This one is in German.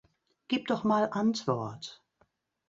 Gib doch mal Antwort!